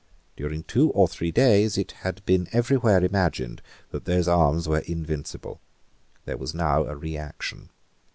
During two or three days it had been every where imagined that those arms were invincible. There was now a reaction.